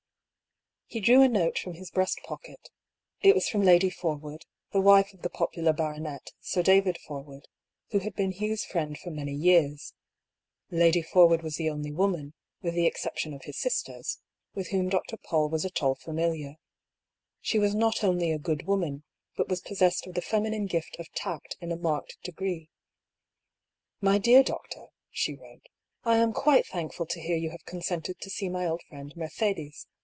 He drew a note from his breast pocket. It was from Lady Forwood, the wife of the popular baronet. Sir David Forwood, who had been Hugh's friend for many years. Lady Forwood was the only woman, with the exception of his sisters, with whom Dr. PauU was at all familiar. She was not only a good woman, but was possessed of the feminine gift of tact in a marked degree. " My dear Doctor " (she wrote), —" I am quite thankful to hear you have consented to see my old friend Mercedes.